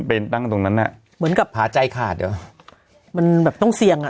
ไปนั่งตรงนั้นอ่ะเหมือนกับผาใจขาดเหรอมันแบบต้องเสี่ยงอ่ะ